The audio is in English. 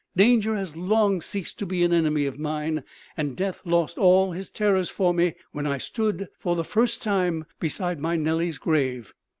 Danger has long ceased to be an enemy of mine, and Death lost all his terrors for me when I stood for the first time beside my Nellie's grave.